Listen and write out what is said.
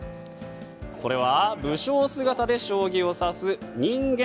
それは武将姿で将棋を指す人間